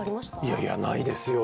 いやいや、ないですよ。